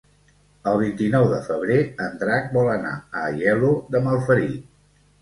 El vint-i-nou de febrer en Drac vol anar a Aielo de Malferit.